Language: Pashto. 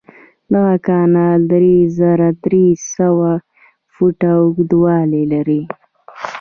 دغه کانال درې زره درې سوه فوټه اوږدوالی لري.